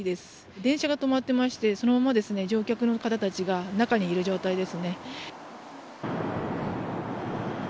電車が止まっていましてそのまま乗客の方たちが中にいる状態です。